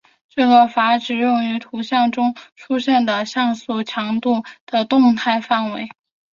这个阈值用于图像中出现的像素强度的动态范围。